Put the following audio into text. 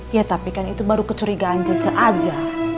ya tapi kan itu baru kecurigaan jejak aja